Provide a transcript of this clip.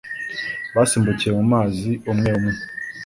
Basimbukiye mu mazi umwe umwe.